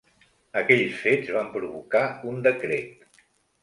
Aquells fets van provocar un decret.